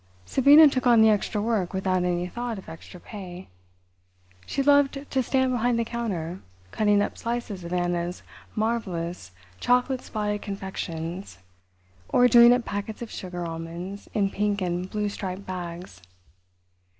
Sabina took on the extra work without any thought of extra pay. She loved to stand behind the counter, cutting up slices of Anna's marvellous chocolate spotted confections, or doing up packets of sugar almonds in pink and blue striped bags.